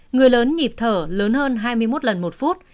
người lớn nhịp thở lớn hơn hai mươi một lần một phút